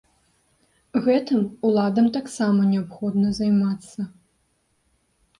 Гэтым уладам таксама неабходна займацца.